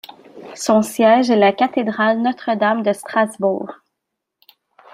Son siège est la cathédrale Notre-Dame de Strasbourg.